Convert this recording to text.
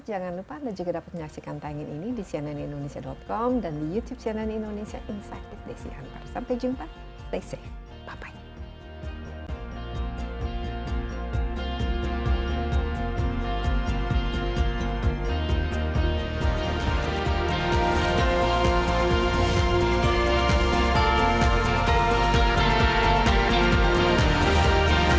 jangan lupa anda juga dapat menyaksikan tayangan ini di cnn indonesia com dan di youtube cnn indonesia insight with desi anwar